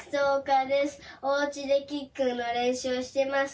おうちでキックのれんしゅうをしてます。